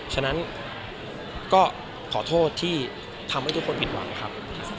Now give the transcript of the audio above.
ฉะนั้นก็ขอโทษที่ทำให้ทุกคนผิดหวังครับ